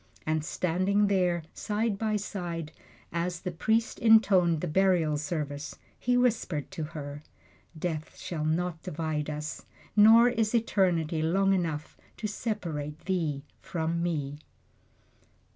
And standing there, side by side, as the priest intoned the burial service, he whispered to her, "Death shall not divide us, nor is eternity long enough to separate thee from me!"